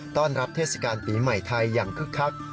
ต้อนรับเทศกาลปีใหม่ไทยอย่างคึกคัก